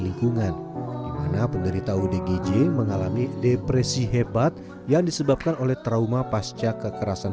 lingkungan dimana penderita odgj mengalami depresi hebat yang disebabkan oleh trauma pasca kekerasan